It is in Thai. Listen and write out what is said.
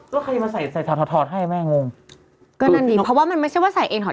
แล้วใครมาใส่ใส่ถอดถอดถอดให้แม่งงก็นั่นดิเพราะว่ามันไม่ใช่ว่าใส่เองถอด